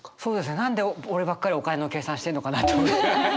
何で俺ばっかりお金の計算してんのかなと。